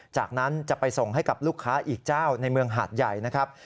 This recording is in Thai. จากนั้นจะไปส่งให้กับลูกค้าอีกเจ้าในเมืองหาดใหญ่นะครับ